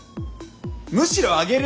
むしろ上げる？